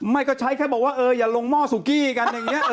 ไม่ก็ใช้แค่บอกว่าเอออย่าลงหม้อสุกี้กันอย่างนี้